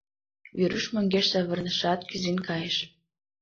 Веруш мӧҥгеш савырнышат, кӱзен кайыш.